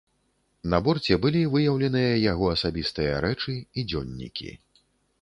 На борце былі выяўленыя яго асабістыя рэчы і дзённікі.